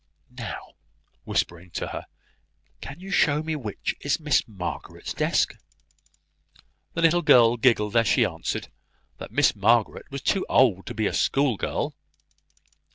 Now," whispering to her, "can you show me which is Miss Margaret's desk?" The little girl giggled as she answered, that Miss Margaret was too old to be a school girl.